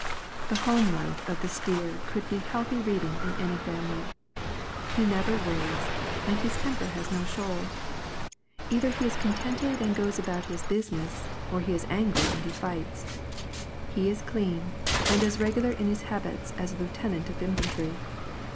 The home life of the steer would be healthy reading in any family. He never worries, and his temper has no shoal. Either he is contented and goes about his business, or he is angry and he fights. He is clean, and as regular in his habits as a lieutenant of infantry.